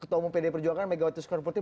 ketua umum pdi perjuangan megawati sukarnoputi